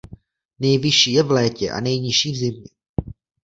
Nejvyšší je v létě a nejnižší v zimě.